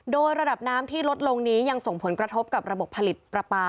โดยระดับน้ำที่ลดลงนี้ยังส่งผลกระทบกับระบบผลิตปลาปลา